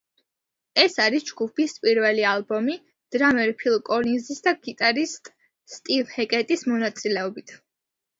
ეს არის ჯგუფის პირველი ალბომი დრამერ ფილ კოლინზის და გიტარისტ სტივ ჰეკეტის მონაწილეობით.